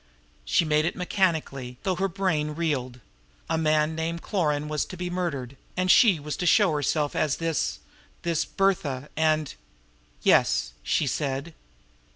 She made it mechanically, though her brain reeled. A man named Cloran was to be murdered; and she was to show herself as this this Bertha and... "Yes," she said.